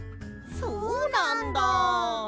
そうなんだ。